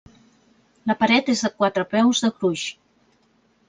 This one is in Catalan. La paret és de quatre peus de gruix.